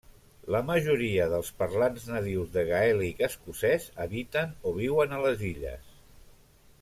La majoria dels parlants nadius de gaèlic escocès habiten o viuen a les illes.